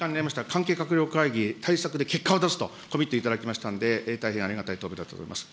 関係閣僚会議、対策で結果を出すと、コミットいただきましたんで、大変ありがたい答弁だったと思います。